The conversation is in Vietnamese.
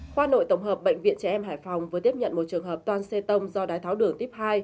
khoa nội tổng hợp bệnh viện trẻ em hải phòng vừa tiếp nhận một trường hợp toàn xê tông do đái tháo đường tiếp hai